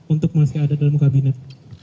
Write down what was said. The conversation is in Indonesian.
untuk masih ada dalam kabinet